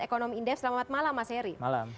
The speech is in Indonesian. ekonomi indef selamat malam mas heri